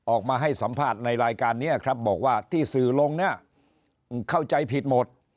ออกมาให้สัมภาษณ์ในรายการนี้ครับบอกว่าที่สื่อลงเนี่ยเข้าใจผิดหมด